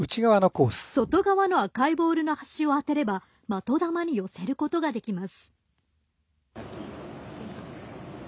外側の赤いボールの端を当てれば的玉に寄せることができます。